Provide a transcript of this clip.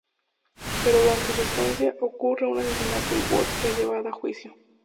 Pero durante su estancia, ocurre un asesinato y Woods es llevada a juicio.